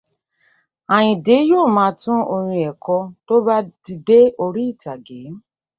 Àyìndé yóò máa tún orin ẹ̀ kọ tó bá ti dé orí ìtàgé